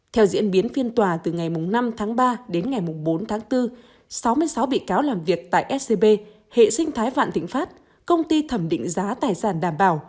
theo diễn biến phiên tòa từ ngày năm tháng ba đến ngày bốn tháng bốn sáu mươi sáu bị cáo làm việc tại scb hệ sinh thái vạn thịnh pháp công ty thẩm định giá tài sản đảm bảo